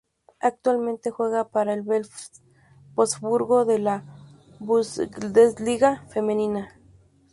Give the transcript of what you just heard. Actualmente juega para el VfL Wolfsburgo de la Bundesliga Femenina.